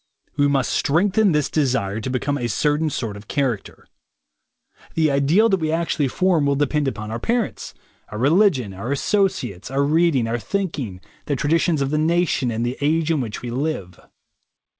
We must strengthen this desire to be come a certain sort of character. The ideal that we actually form will depend upon our parents, our religion, our associates, our read ing, our thinking, the traditions of the nation and the age in which we live.